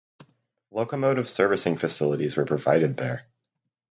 Locomotive servicing facilities were provided there.